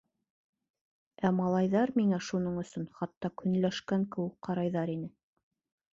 Ә малайҙар миңә шуның өсөн хатта көнләшкән кеүек ҡарайҙар ине.